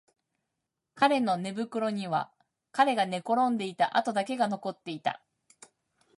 彼の寝袋には彼が寝転んでいた跡だけが残っていた